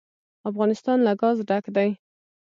افغانستان له ګاز ډک دی.